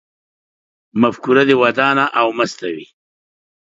مفکوره دې ودانه او مسته وي